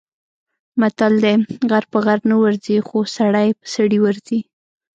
متل دی: غر په غره نه ورځي، خو سړی په سړي ورځي.